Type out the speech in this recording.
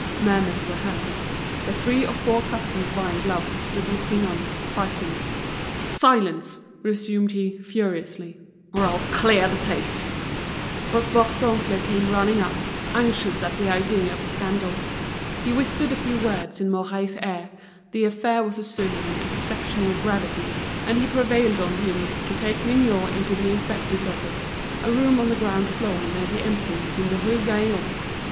Murmurs were heard. The three or four customers buying gloves stood looking on, frightened. "Silence!" resumed he, furiously, "or I'll clear the place!" But Bourdoncle came running up, anxious at the idea of the scandal. He whispered a few words in Mouret's ear, the affair was assuming an exceptional gravity; and he prevailed on him to take Mignot into the inspectors' office, a room on the ground floor near the entrance in the Rue Gaillon.